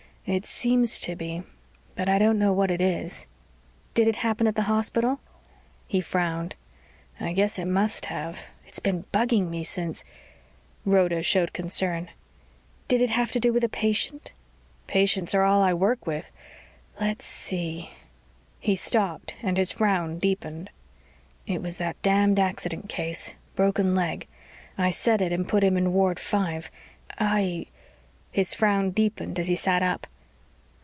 "It seems to be. But I don't know what it is." "Did it happen at the hospital?" He frowned. "I guess it must have. It's been bugging me since " Rhoda showed concern. "Did it have to do with a patient?" "Patients are all I work with. Let's see " He stopped and his frown deepened. "It was that damned accident case. Broken leg. I set it and put him in ward five. I " His frown deepened as he sat up.